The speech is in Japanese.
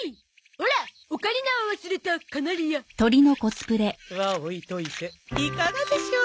オラオカリナを忘れたカナリア。は置いといていかがでしょう？